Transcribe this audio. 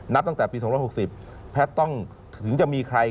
ตั้งแต่ปี๒๖๐แพทย์ต้องถึงจะมีใคร